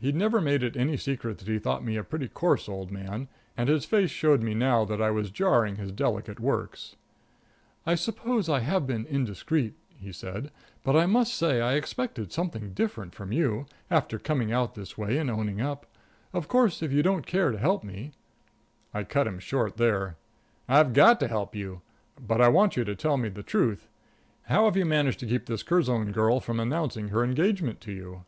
He'd never made it any secret that he thought me a pretty coarse old man, and his face showed me now that I was jarring his delicate works. "I suppose I have been indiscreet," he said, "but I must say I expected something different from you, after coming out this way and owning up. Of course, if you don't care to help me " I cut him short there. "I've got to help you. But I want you to tell me the truth. How have you managed to keep this Curzon girl from announcing her engagement to you?"